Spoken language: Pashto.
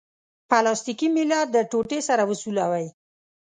پلاستیکي میله د ټوټې سره وسولوئ.